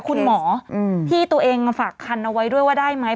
คุณหมอที่ตัวเองมาฝากคันเอาไว้ด้วยว่าได้ไหม